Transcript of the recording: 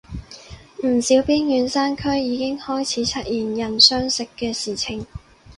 唔少邊遠山區已經開始出現人相食嘅事情